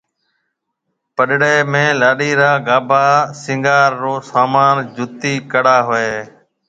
پڏڙيَ ۾ لاڏِي را گھاڀا، سينگھار رو سامان، جُتي، ڪڙا ھوئيَ ھيََََ